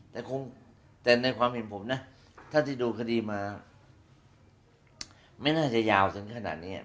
แต่คงแต่ในความเห็นผมนะถ้าที่ดูคดีมาไม่น่าจะยาวถึงขนาดนี้